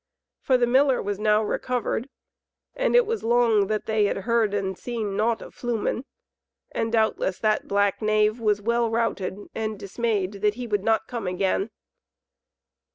For the miller was now recovered, and it was long that they had heard and seen naught of Flumen, and doubtless that black knave was well routed and dismayed that he would not come again.